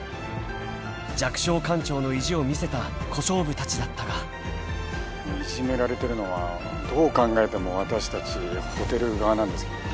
［弱小官庁の意地を見せた小勝負たちだったが］いじめられてるのはどう考えても私たちホテル側なんですけどね。